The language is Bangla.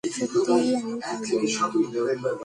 সত্যিই আমি পারবো না।